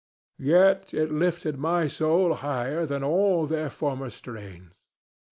Yet it lifted my soul higher than all their former strains.